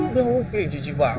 udah oke jujibah